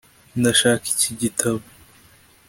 ndashaka iki gitabo